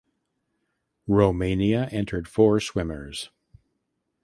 Romania entered four swimmers.